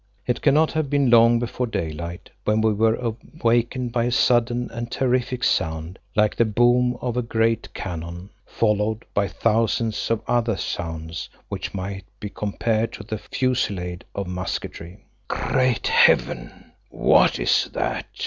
It cannot have been long before daylight when we were awakened by a sudden and terrific sound like the boom of a great cannon, followed by thousands of other sounds, which might be compared to the fusillade of musketry. "Great Heaven! What is that?"